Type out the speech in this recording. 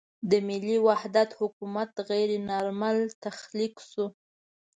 د ملي وحدت حکومت غیر نارمل تخلیق شو.